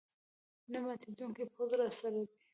نه ماتېدونکی پوځ راسره دی.